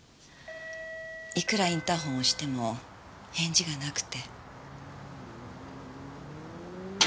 いくらインターホンを押しても返事がなくて。